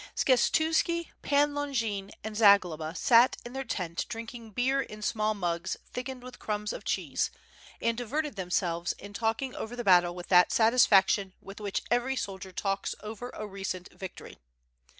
Skshetuski, Pan Longin and Zagloba sat in their tent drinking beer in small mugs thickened with crumbs of cheese, and diveri; ed themselves in talking over the battle with that satisfaction with which every soldier talks over a recent victory.